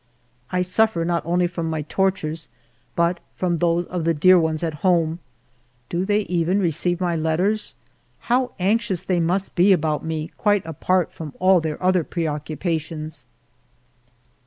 I suffer not only from my tortures, but from those of the dear ones at home. Do they even receive my letters ? How anxious they must be about me, quite apart from all their other preoccupations